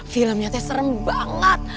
filmnya teh serem banget